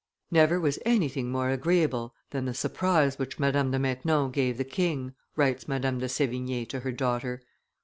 "Never was anything more agreeable than the surprise which Madame de Maintenon gave the king," writes Madame de Sdvigne to her daughter.